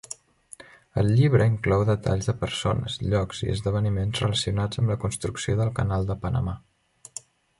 El llibre inclou detalls de persones, llocs i esdeveniments relacionats amb la construcció del canal de Panamà.